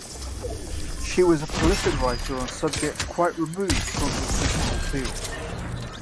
She was a prolific writer on subjects quite removed from her principal field.